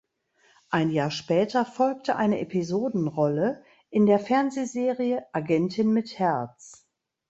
Ein Jahr später folgte eine Episodenrolle in der Fernsehserie "Agentin mit Herz".